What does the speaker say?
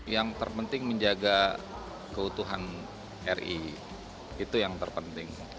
yang terpenting menjaga keutuhan ri itu yang terpenting